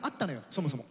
そもそも。